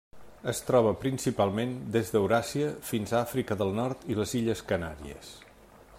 Es troba principalment des d'Euràsia fins a Àfrica del Nord i les Illes Canàries.